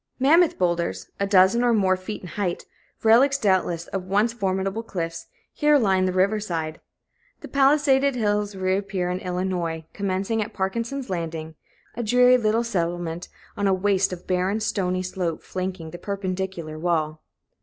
Mammoth boulders, a dozen or more feet in height, relics doubtless of once formidable cliffs, here line the riverside. The palisaded hills reappear in Illinois, commencing at Parkinson's Landing, a dreary little settlement on a waste of barren, stony slope flanking the perpendicular wall.